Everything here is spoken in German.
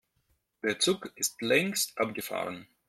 Der Zug ist längst abgefahren.